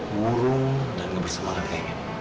ngurung dan gak bersemangat kayaknya